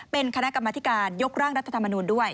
เป็นคณะกรรมธิการยกร่างรัฐธรรมนูลด้วย